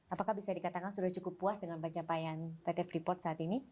apakah bisa dikatakan sudah cukup puas dengan pencapaian pt freeport saat ini